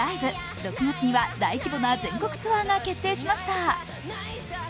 ６月には大規模な全国ツアーが決定しました。